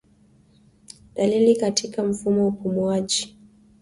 Dalili katika mfumo wa upumuaji